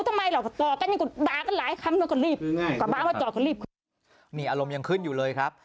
อารมณ์ยังขึ้นอยู่เลยครับ